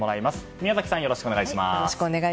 宮崎さん、よろしくお願いします。